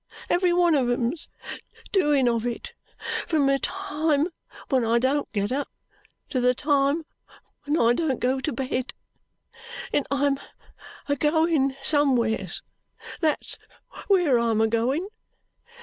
Every one of 'em's doing of it, from the time when I don't get up, to the time when I don't go to bed. And I'm a going somewheres. That's where I'm a going.